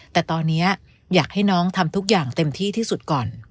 แต่ตอนนี้อยากให้น้องทำทุกอย่างเต็มที่ที่สุดก่อน